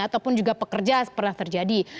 ataupun juga pekerja pernah terjadi